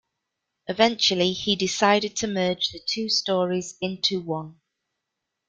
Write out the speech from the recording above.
Eventually he decided to merge the two stories into one.